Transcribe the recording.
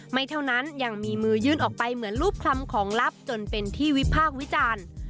ไม่เท่านั้นยังมีมือยื่นออกไปเหมือนรูปคลำของลับจนเป็นที่วิพากษ์วิจารณ์